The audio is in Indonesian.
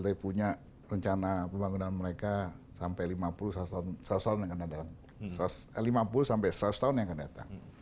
tapi punya rencana pembangunan mereka sampai lima puluh seratus tahun yang akan datang